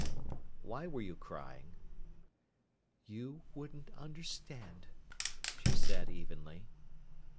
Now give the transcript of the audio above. "Why were you crying?" "You wouldn't understand," she said evenly.